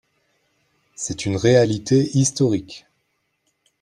C’est une réalité historique